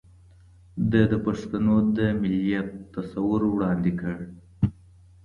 ده د پښتنو د مليت تصور وړاندې کړ